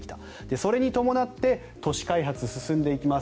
それに伴って都市開発が進んでいきます